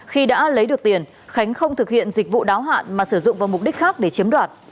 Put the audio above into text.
khi đã lấy được tiền khánh không thực hiện dịch vụ đáo hạn mà sử dụng vào mục đích khác để chiếm đoạt